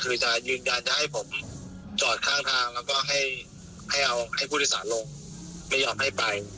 คือจะยืนยันจะให้ผมจอดข้างทางแล้วก็ให้เอาให้ผู้โดยสารลงไม่ยอมให้ไป